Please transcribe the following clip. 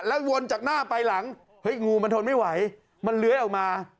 วนจากหน้าไปหลังเฮ้ยงูมันทนไม่ไหวมันเลื้อยออกมา